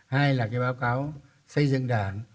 hai là cái báo cáo xây dựng đảng